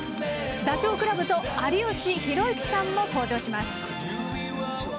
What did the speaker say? ダチョウ倶楽部と有吉弘行さんも登場します！